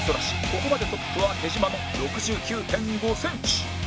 ここまでトップは手島の ６９．５ センチ